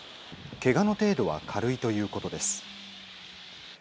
けがの程度は軽いということです。